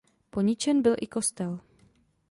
Poničen byl i kostel.